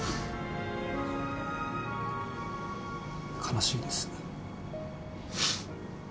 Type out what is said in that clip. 悲しいです。